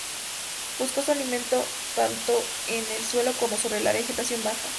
Busca su alimento tanto en el suelo como sobre la vegetación baja.